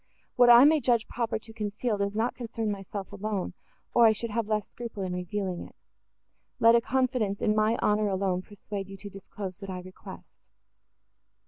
What I may judge proper to conceal, does not concern myself alone, or I should have less scruple in revealing it: let a confidence in my honour alone persuade you to disclose what I request."